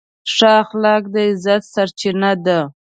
ښه اخلاق د عزت سرچینه ده.